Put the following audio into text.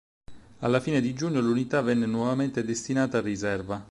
Alla fine di giugno l'unità venne nuovamente destinata a riserva.